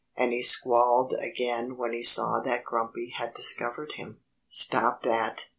And he squalled again when he saw that Grumpy had discovered him. "Stop that!"